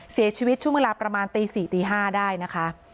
เสียชีวิตช่วงเวลาประมาณตี๔ตี๕ได้นะคะ